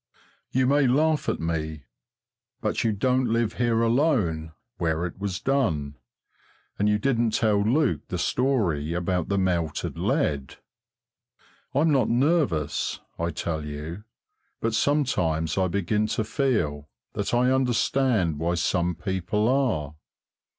You may laugh at me, but you don't live here alone, where it was done, and you didn't tell Luke the story about the melted lead. I'm not nervous, I tell you, but sometimes I begin to feel that I understand why some people are.